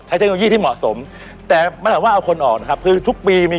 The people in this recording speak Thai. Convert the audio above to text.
เทคโนโลยีที่เหมาะสมแต่มันถามว่าเอาคนออกนะครับคือทุกปีมี